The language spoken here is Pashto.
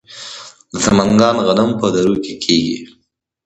د سمنګان غنم په درو کې کیږي.